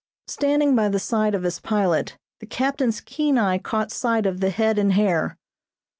Standing by the side of his pilot, the captain's keen eye caught sight of the head and hair.